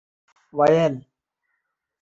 வயல்